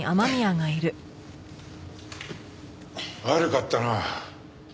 悪かったな。